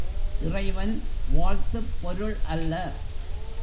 இறைவன் வாழ்த்துப் பொருள் அல்ல.